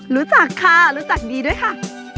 รู้จักค่ะรู้จักดีด้วยค่ะ